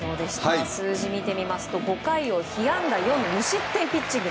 数字を見てみますと５回を被安打４無失点ピッチング。